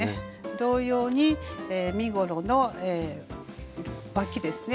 同様に身ごろのわきですね。